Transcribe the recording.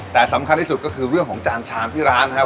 แต่สำคัญที่สุดก็คือเรื่องของจานชามที่ร้านนะครับ